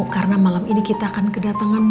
karena malam ini kita akan kedatangan